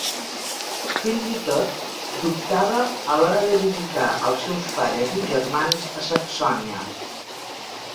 Fins i tot dubtava a l'hora de visitar els seus pares i germans a Saxònia.